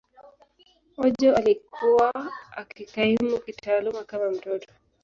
Ojo alikuwa akikaimu kitaaluma kama mtoto.